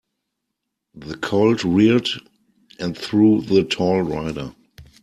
The colt reared and threw the tall rider.